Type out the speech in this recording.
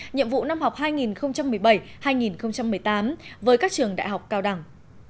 nhiệm vụ năm học hai nghìn một mươi bảy hai nghìn một mươi tám với các trường đại học cao đẳng